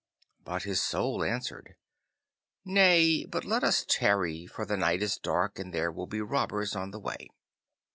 But his Soul answered, 'Nay, but let us tarry, for the night is dark and there will be robbers on the way.